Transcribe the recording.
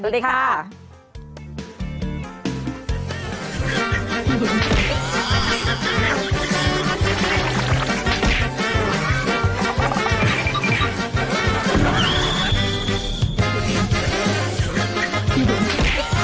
สวัสดีค่ะ